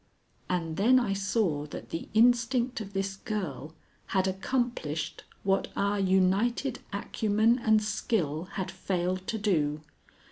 And then I saw that the instinct of this girl had accomplished what our united acumen and skill had failed to do.